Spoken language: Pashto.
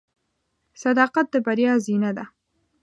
• صداقت د بریا زینه ده.